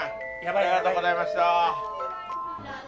ありがとうございました急に。